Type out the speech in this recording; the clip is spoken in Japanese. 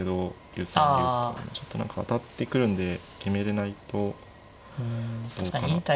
ちょっと何か当たってくるんで決めれないとどうかなって。